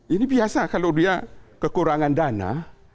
ini biasa kalau dia kekurangan dana